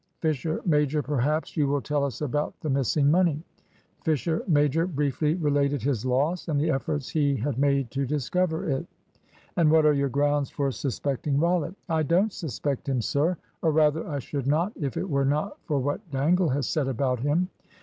Fisher major, perhaps you will tell us about the missing money." Fisher major briefly related his loss and the efforts he had made to discover it. "And what are your grounds for suspecting Rollitt?" "I don't suspect him, sir; or rather I should not if it were not for what Dangle has said about him."